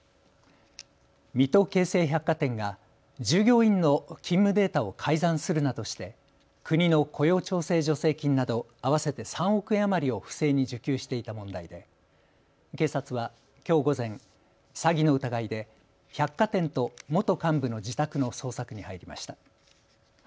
水戸京成百貨店が従業員の勤務データを改ざんするなどして国の雇用調整助成金など合わせて３億円余りを不正に受給していた問題で警察はきょう午前、詐欺の疑いで百貨店と元幹部の自宅の捜索に入りました。